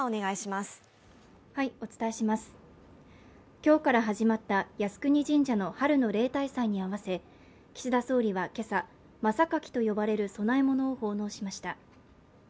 今日から始まった靖国神社の春の例大祭に合わせ岸田総理は今朝、まさかきと呼ばれる供え物を奉納しました。